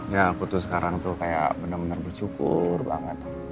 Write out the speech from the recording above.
ya aku tuh sekarang tuh kayak bener bener bersyukur banget